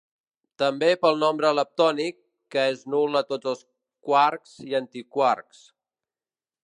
També pel nombre leptònic, que és nul a tots els quarks i antiquarks.